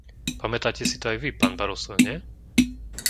Pamätáte si to aj vy, pán Barroso, nie?